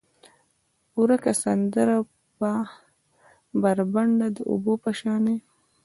ورکه سندره به، بربنډه د اوبو په شانې،